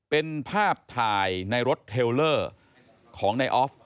เป็นภาพถ่ายในรถเทลเลอร์ของนายออฟ